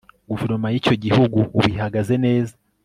Guverinoma yicyo gihugu ubu ihagaze neza